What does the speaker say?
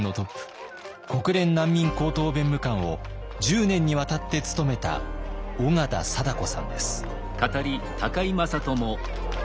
国連難民高等弁務官を１０年にわたって務めた緒方貞子さんです。